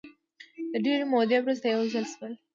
د ډېرې مودې وروسته یو ځای شول.